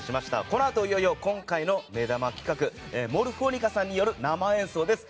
このあといよいよ今回の目玉企画Ｍｏｒｆｏｎｉｃａさんによる生演奏です。